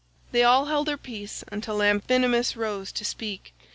They all held their peace until Amphinomus rose to speak.